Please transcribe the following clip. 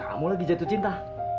kamu lagi jatuh cinta